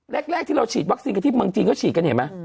แรกที่เราฉีดวัคซีนกันที่เมืองจีนก็ฉีดกันเห็นไหม